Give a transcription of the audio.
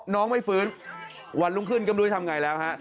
น้องไม่ฟื้นวันรุ่งขึ้นก็ไม่รู้จะทำอย่างไรแล้ว